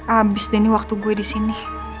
abis deh nih waktu gue disini